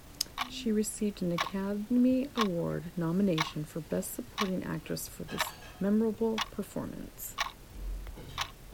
She received an Academy Award nomination for Best Supporting Actress for this memorable performance.